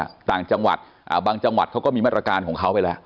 ส่วนในประเทศเราเองก็อย่างที่เราไล่มาสักครู่เนี่ยกรุงเทพมหานครปริมนธนมีมาตรการออกมาแล้ว